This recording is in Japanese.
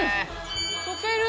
溶ける。